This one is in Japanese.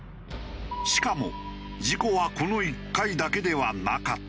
しかも事故はこの１回だけではなかった。